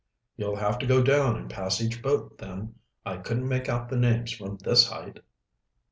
"You'll have to go down and pass each boat, then. I couldn't make out the names from this height."